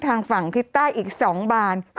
กรมป้องกันแล้วก็บรรเทาสาธารณภัยนะคะ